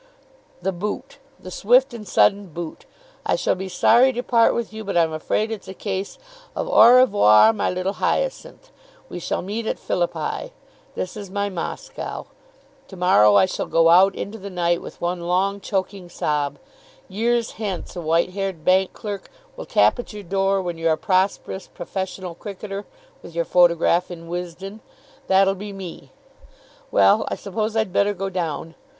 "The boot. The swift and sudden boot. I shall be sorry to part with you, but I'm afraid it's a case of 'Au revoir, my little Hyacinth.' We shall meet at Philippi. This is my Moscow. To morrow I shall go out into the night with one long, choking sob. Years hence a white haired bank clerk will tap at your door when you're a prosperous professional cricketer with your photograph in Wisden. That'll be me. Well, I suppose I'd better go down.